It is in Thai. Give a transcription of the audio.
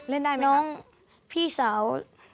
เล่นได้ไหมครับน้องพี่สาว